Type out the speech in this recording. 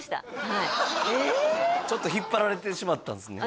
はいちょっと引っ張られてしまったんですね